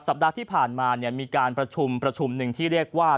สัปดาห์ที่ผ่านมาเนี่ยมีการประชุมประชุมหนึ่งที่เรียกว่า